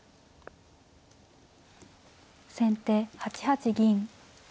先手８八銀。